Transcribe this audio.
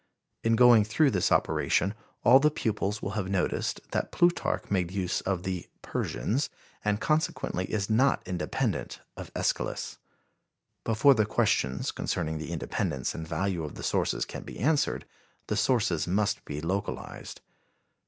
In going through this operation all the pupils will have noticed that Plutarch made use of the "Persians," and, consequently is not independent of Æschylus. Before the questions concerning the independence and value of the sources can be answered, the sources must be localized.